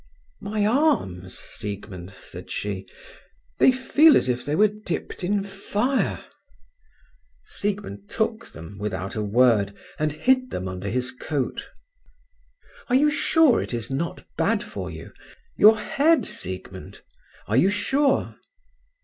"My arms, Siegmund," said she. "They feel as if they were dipped in fire." Siegmund took them, without a word, and hid them under his coat. "Are you sure it is not bad for you—your head, Siegmund? Are you sure?"